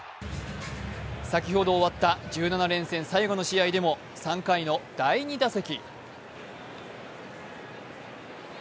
先ほど終わった１７連戦最後の試合でも３回の第２打席。